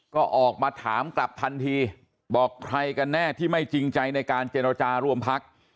ก็ออกมาถามกลับทันทีบอกใครกันแน่ที่ไม่จริงใจในการเจรจารวมพัก